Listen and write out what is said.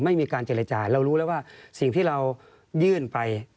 ไม่มีการเจรจาเรารู้แล้วว่าสิ่งที่เรายื่นไป